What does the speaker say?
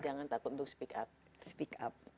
jangan takut untuk speak up